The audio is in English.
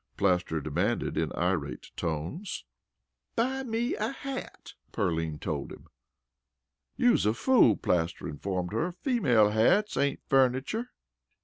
Plaster demanded in irate tones. "Buy me a hat!" Pearline told him. "You's a fool!" Plaster informed her. "Female hats ain't furnicher."